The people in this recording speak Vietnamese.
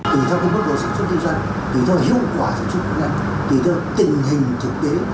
tùy theo cái mức độ sản xuất kinh doanh tùy theo hiệu quả sản xuất kinh doanh tùy theo tình hình thực tế